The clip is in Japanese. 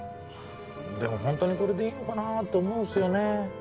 でもホントにこれでいいのかなって思うんすよね